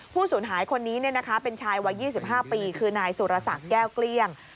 สูญหายคนนี้เป็นชายวัย๒๕ปีคือนายสุรศักดิ์แก้วเกลี้ยง